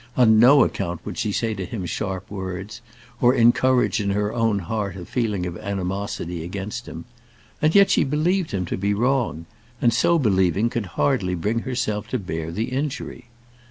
On no account would she say to him sharp words, or encourage in her own heart a feeling of animosity against him, and yet she believed him to be wrong; and so believing could hardly bring herself to bear the injury.